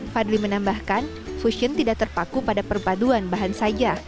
fadli menambahkan fusion tidak terpaku pada perpaduan bahan saja